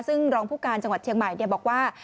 ซึ่งรองผู้การจังหวัดเชียงใหม่บอกว่า